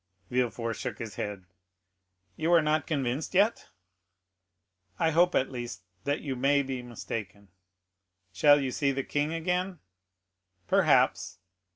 Villefort shook his head. "You are not convinced yet?" "I hope at least, that you may be mistaken." "Shall you see the king again?" "Perhaps."